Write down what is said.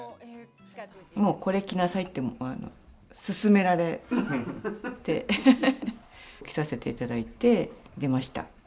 もうこれ着なさいって勧められて着させていただいて出ました。